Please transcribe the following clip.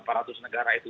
aparatus negara itu